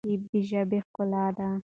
ترکیب د ژبي ښکلا ده.